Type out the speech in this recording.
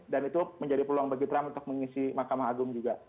dan itu menjadi peluang bagi trump untuk mengisi makam agung juga